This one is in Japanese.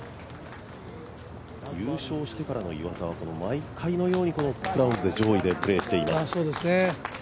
優勝してからは毎回のようにクラウンズで上位でプレーしています。